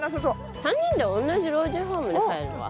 ３人で同じ老人ホームに入れば？